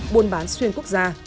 buôn bán xuyên quốc gia